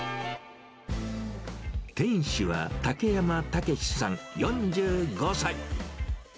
店主は、武山丈さん４５歳。